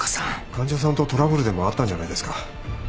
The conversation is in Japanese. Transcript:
患者さんとトラブルでもあったんじゃないですか？